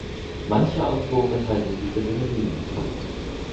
Manche Autoren halten sie für Synonyme.